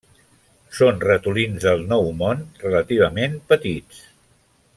Són ratolins del Nou Món relativament petits.